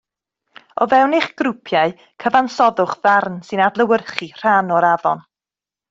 O fewn eich grwpiau cyfansoddwch ddarn sy'n adlewyrchu rhan o'r afon